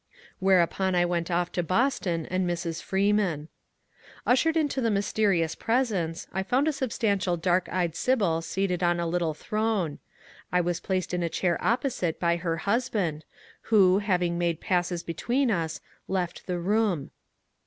Whereupon I went off to Boston and Mrs. Freeman. Ushered into the mysterious presence, I found a substantial dark eyed sibyl seated on a little throne. I was placed in a chair opposite by her husband, who, having made passes 'be tween us, left the room.